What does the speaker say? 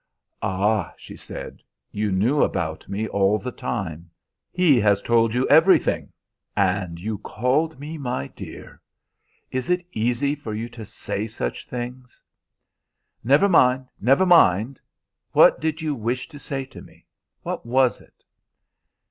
"Ah," she said, "you knew about me all the time! He has told you everything and you called me 'my dear'! Is it easy for you to say such things?" "Never mind, never mind! What did you wish to say to me? What was it?"